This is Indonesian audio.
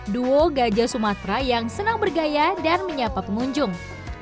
duo gajah sumatera yang senang bergaya dan menyapa pengunjung